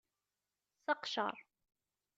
Seqcer.